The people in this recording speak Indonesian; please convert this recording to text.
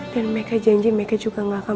dan mereka janji mereka juga gak akan